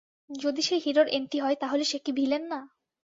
যদি সে হিরোর এন্টি হয়, তাহলে সে কি ভিলেন না?